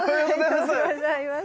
おはようございます。